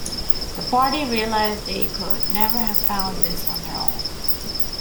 The party realised they could never have found this on their own.